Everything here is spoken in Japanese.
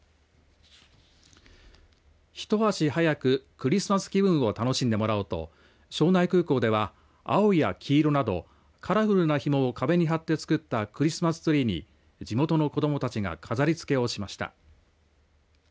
ひと足早く、クリスマス気分を楽しんでもらおうと庄内空港では、青や黄色などカラフルなひもを壁に貼って作ったクリスマスツリーに地元の子どもたちが飾りつけをしました。